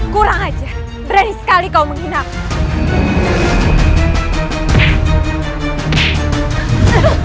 kurang aja berani sekali kau menghina aku